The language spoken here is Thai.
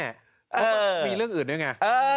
ว่ามีเรื่องอื่นยังไง